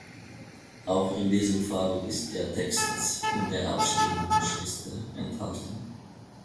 Auch in diesem Fall ist der Text in der Abstimmungsliste enthalten.